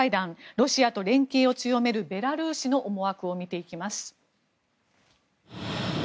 ロシアと連携を強めるベラルーシの思惑を見ていきます。